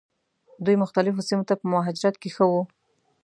دوی مختلفو سیمو ته په مهاجرت کې ښه وو.